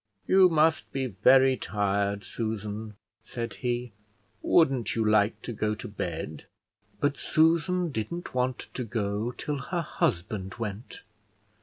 "You must be very tired, Susan," said he: "wouldn't you like to go to bed?" But Susan didn't want to go till her husband went.